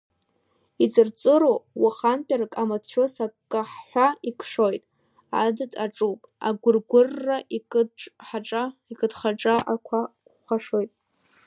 Иҵырҵыруа уахантәарак, амацәыс аҟәақҳәа икшоит, адыд аҿуп агәыргәырра, икыдхаҽа ақәа хәашоит.